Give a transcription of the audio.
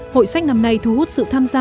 hội sách năm nay thu hút sự tham gia